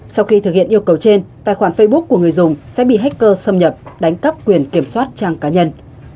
sau khi thực hiện yêu cầu trên tài khoản facebook của người dùng sẽ bị hacker xâm nhập đánh cắp quyền kiểm soát trang cá nhân